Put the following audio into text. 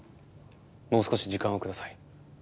もう少し時間を下さい。